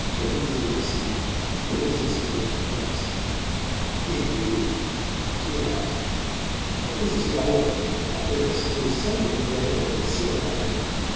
Undine listened, irresistibly impressed. "Did YOU?" she asked; but Mrs. Rolliver, at this, grew suddenly veiled and sibylline.